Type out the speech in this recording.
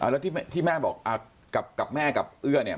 แล้วที่แม่บอกกับแม่กับเอื้อเนี่ย